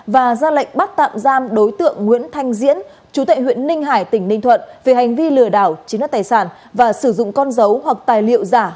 và ra lệnh bắt tạm giam đối tượng nguyễn